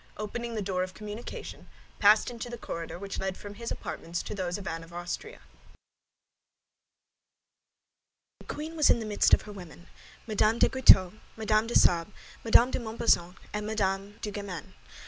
opening the door of communication, passed into the corridor which led from his apartments to those of Anne of Austria. The queen was in the midst of her women—Mme. de Guitaut, Mme. de Sable, Mme. de Montbazon, and Mme. de Guémené.